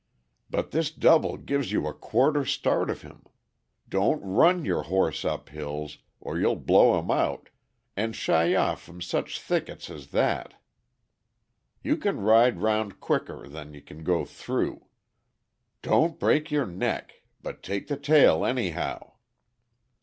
But this double gives you a quarter start of him. Don't run your horse up hills, or you'll blow him out, and shy off from such thickets as that. You can ride round quicker than you can go through. Don't break your NECK, BUT TAKE THE TAIL ANYHOW."